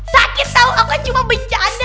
sakit tau aku cuma becanda